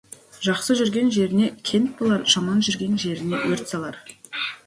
Жақсы жүрген жеріне кент болар, жаман жүрген жеріне өрт салар.